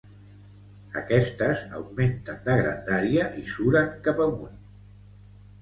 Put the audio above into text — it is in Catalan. Aquestes augmenten de grandària i suren cap amunt.